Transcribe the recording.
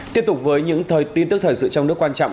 tiếp tục với những thông tin tức thời sự trong nước quan trọng